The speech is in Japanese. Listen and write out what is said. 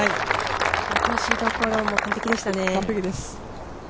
落としどころも完璧でしたね。